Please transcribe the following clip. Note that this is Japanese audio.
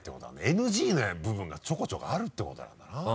ＮＧな部分がちょこちょこあるってことなんだな。